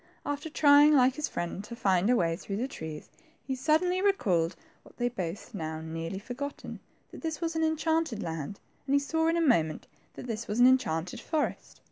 After trying, like his friend, to find a way through the trunks, he suddenly recalled what they had both now nearly forgotten, that they were in the enchanted land, and saw in a moment that this was an enchanted forest.